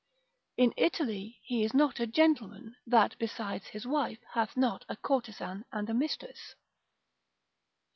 In Italy he is not a gentleman, that besides his wife hath not a courtesan and a mistress.